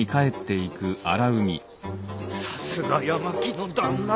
さすが八巻の旦那だ。